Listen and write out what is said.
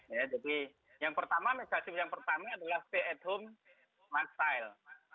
ya jadi yang pertama megasif yang pertama adalah stay at home smart style